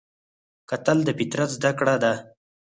کتل د فطرت زده کړه ده